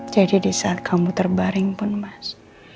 jadi di saat kamu terbaring pun mas